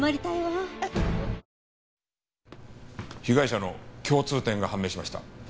被害者の共通点が判明しました。